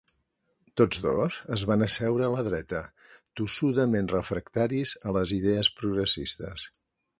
Tots dos es van asseure a la dreta, tossudament refractaris a les idees progressistes.